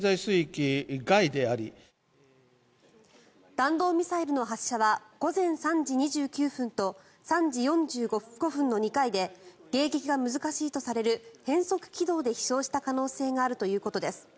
弾道ミサイルの発射は午前３時２９分と３時４５分の２回で迎撃が難しいとされる変則軌道で飛翔した可能性があるということです。